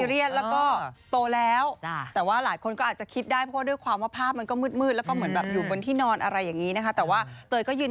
เออเราก็รักกันมานานเนอะก็ไม่ได้ซีเรียส